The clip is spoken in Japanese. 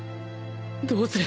どうする！？